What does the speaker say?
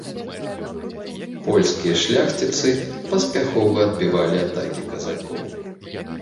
Польскія шляхціцы паспяхова адбівалі атакі казакоў.